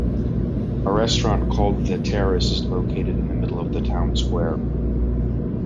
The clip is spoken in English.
A restaurant called The Terrace is located in the middle of the town square.